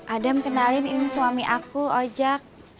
adam kenalin ini suami aku ojak